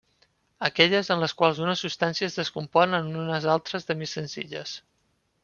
Aquelles en les quals una substància es descompon en unes altres de més senzilles.